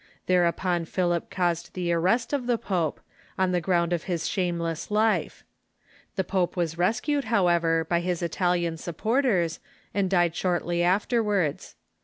Thereupon Philip caused the arrest of the pope, on the ground of his shameless life. The pope was rescued, however, by his Italian supporters, and died shortly afterwards.